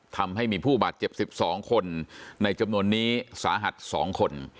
ทำให้มีผู้บาดเจ็บ๑๒คนในจำนวนนี้สาหัส๒คน